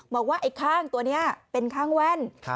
บอกว่าไอ้ข้างตัวนี้เป็นข้างแว่น